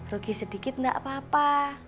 rugi sedikit nggak apa apa